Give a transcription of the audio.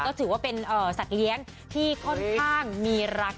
ก็ถือว่าเป็นสัตว์เลี้ยงที่ค่อนข้างมีรัก